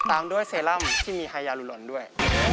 ตามด้วยเซรั่มที่มีไฮยารุลนด้วย